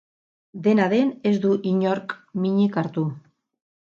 Dena den, ez du inork minik hartu.